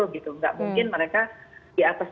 tidak mungkin mereka di atas